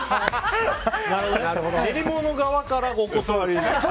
練り物側からお断り。